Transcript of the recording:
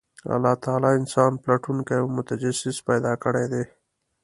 الله تعالی انسان پلټونکی او متجسس پیدا کړی دی،